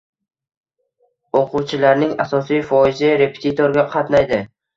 O‘quvchilarning asosiy foizi repetitorga qatnaydi.